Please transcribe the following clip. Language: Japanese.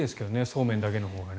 そうめんだけのほうが。